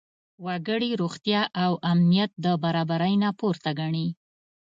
وګړي روغتیا او امنیت د برابرۍ نه پورته ګڼي.